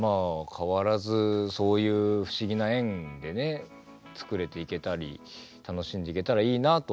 変わらずそういう不思議な縁でね作れていけたり楽しんでいけたらいいなとは思いますけど。